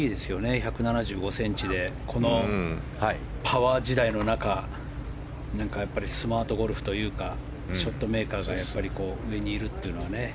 １７５ｃｍでこのパワー時代の中スマートゴルフというかショットメーカーが上にいるというのはね。